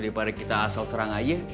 daripada kita asal serang aja